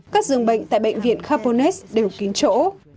các dường bệnh tại bệnh viện carbonex đều kín chỗ